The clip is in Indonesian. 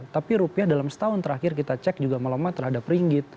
tapi rupiah dalam setahun terakhir kita cek juga melemah terhadap ringgit